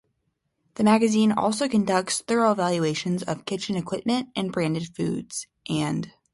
The magazine also conducts thorough evaluations of kitchen equipment and branded foods and ingredients.